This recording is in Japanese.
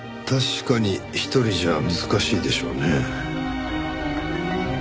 確かに１人じゃ難しいでしょうね。